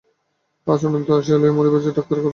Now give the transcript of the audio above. আজ অনন্ত আশা লইয়া মরিব যে, ডাক্তারের কথা ভুল হইতেও পারে।